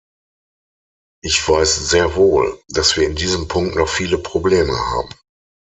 Ich weiß sehr wohl, dass wir in diesem Punkt noch viele Probleme haben.